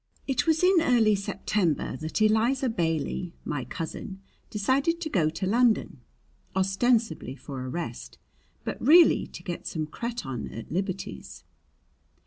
It was in early September that Eliza Bailey, my cousin, decided to go to London, ostensibly for a rest, but really to get some cretonne at Liberty's.